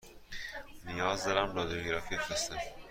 نیاز دارم رادیوگرافی بفرستم.